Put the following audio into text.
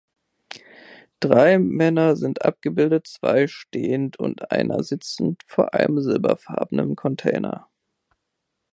Drei Männer sind abgebildet, zwei stehend und einer sitzend vor einem silberfarbenen Container